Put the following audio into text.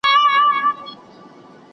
تاسو خپلو مطالعو ته دوام ورکړئ.